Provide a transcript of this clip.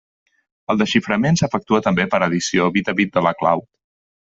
El desxiframent s'efectua també per addició bit a bit de la clau.